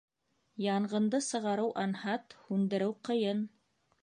Янғынды сығарыу анһат, һүндереү ҡыйын.